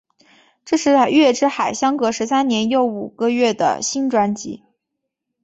这是月之海相隔十三年又五个月的新专辑。